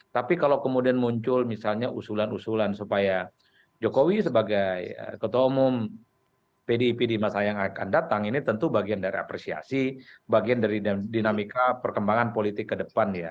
tapi kalau kemudian muncul misalnya usulan usulan supaya jokowi sebagai ketua umum pdip di masa yang akan datang ini tentu bagian dari apresiasi bagian dari dinamika perkembangan politik ke depan ya